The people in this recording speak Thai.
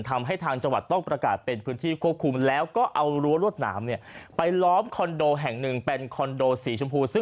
ทำให้ทางจังหวัดต้องประกาศเป็นพื้นที่ควบคุม